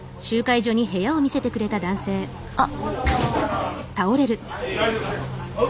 あっ！